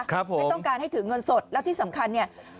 ไม่ต้องการให้ถือเงินสดแล้วที่สำคัญเนี่ย